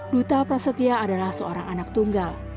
duta prasetya adalah seorang anak tunggal